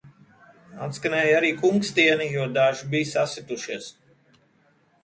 Atskanēja arī kunkstieni, jo daži bija sasitušies.